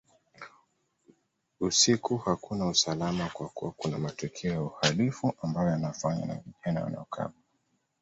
Usiku hakuna usalama kwa kuwa kuna matukio ya uhalifu ambayo yanafanywa na vijana wanaokaba